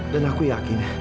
dan aku yakin